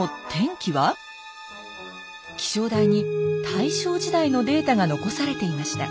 気象台に大正時代のデータが残されていました。